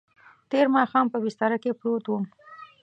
تېر ماښام په بستره کې پروت وم.